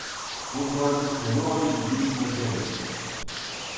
Був зранку схвильований і більше не з'явився.